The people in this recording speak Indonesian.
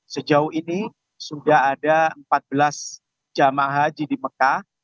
sejauh ini sudah ada empat belas jemaah haji di mekah